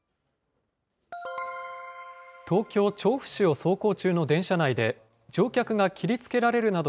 東京・調布市を走行中の電車内で、乗客が切りつけられるなど